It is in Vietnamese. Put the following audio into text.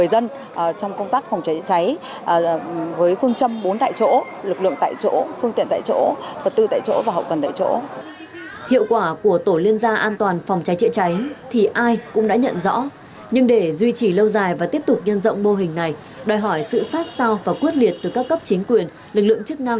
đó là trong công tác phòng trái trị trái phải xác định lấy phòng trái là chính